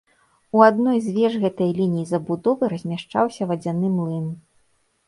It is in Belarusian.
У адной з веж гэтай лініі забудовы размяшчаўся вадзяны млын.